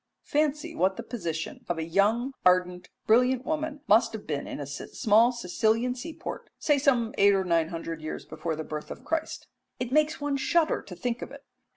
Fancy what the position of a young, ardent, brilliant woman must have been in a small Sicilian sea port, say some eight or nine hundred years before the birth of Christ. It makes one shudder to think of it.